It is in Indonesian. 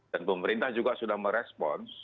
dan pemerintah juga sudah merespons